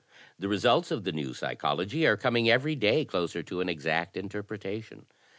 The results of the 'new psychology* are com ing every day closer to an exact interpretation.